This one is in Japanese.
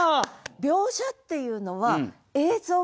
描写っていうのは映像をつくる。